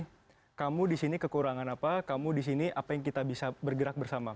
tapi kamu di sini kekurangan apa kamu di sini apa yang kita bisa bergerak bersama